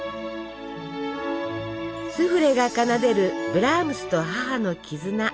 スフレが奏でるブラームスと母の絆